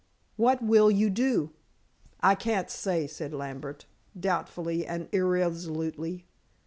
What will you do?" "I can't say," said Lambert, doubtfully and irresolutely.